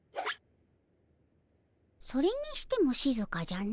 それにしてもしずかじゃの。